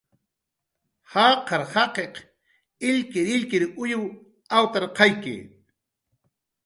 Jaqar jaqi illkirillkir uyw awtarqayki